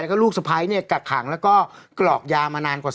นะคะลูกสไพส์เนี่ยกัดขังแล้วก็กรอกยามานานกว่า